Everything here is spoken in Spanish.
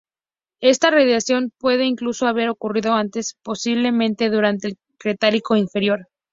Esta radiación puede incluso haber ocurrido antes, posiblemente durante el Cretácico Inferior.